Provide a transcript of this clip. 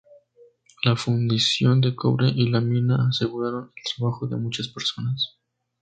La fundición de cobre y la mina aseguraron el trabajo de muchas personas.